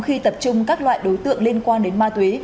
khi tập trung các loại đối tượng liên quan đến ma túy